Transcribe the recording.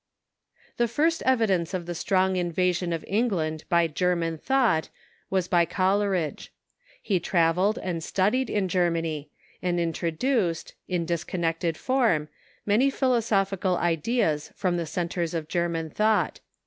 The first evidence of the strong invasion of England b}^ German thought was by Coleridge. He travelled and stud ied in Germany, and introduced, in disconnected German Soirlt ^^rm, many philosophical ideas from the centres of German thought.